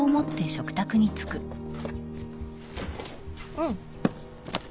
うん。